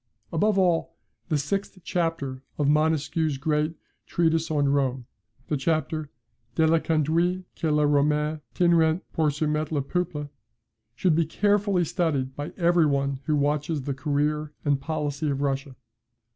Above all, the sixth chapter of Montesquieu's great Treatise on Rome, the chapter "DE LA CONDUITE QUE LES ROMAINS TINRENT POUR SOUMETTRE LES PEUPLES," should be carefully studied by every one who watches the career and policy of Russia.